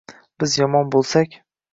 Biz yomon bo’lsak